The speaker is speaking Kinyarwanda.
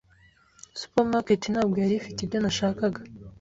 Supermarket ntabwo yari ifite ibyo nashakaga.